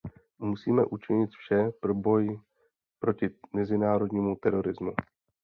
Musíme učinit vše pro boj proti mezinárodnímu terorismu.